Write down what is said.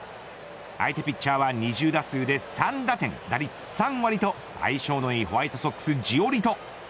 相手ピッチャーは２０打数で３打点打率３割と相性のいいホワイトソックス、ジオリト。